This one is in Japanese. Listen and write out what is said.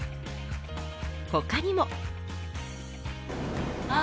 他にも。